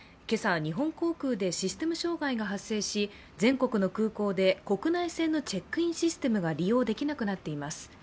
今朝、日本航空でシステム障害が発生し全国の空港で国内線のチェックインシステムが利用できなくなっています。